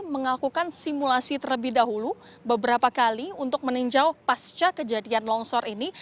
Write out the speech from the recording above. mengakukan simulasi terlebih dahulu beberapa kali untuk meninjau pasca kejadian longsor ini